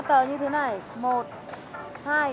ba tờ như thế này